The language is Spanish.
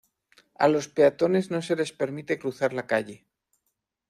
A los peatones no se les permite cruzar la calle.